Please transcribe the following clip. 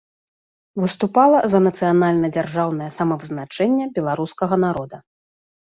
Выступала за нацыянальна-дзяржаўнае самавызначэнне беларускага народа.